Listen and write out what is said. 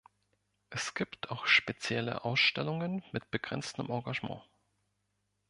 Es gibt auch spezielle Ausstellungen mit begrenztem Engagement.